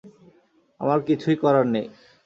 আমার কিছুই করার নেই!